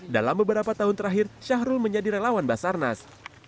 dalam beberapa tahun terakhir syahrul menjadi relawan basarnas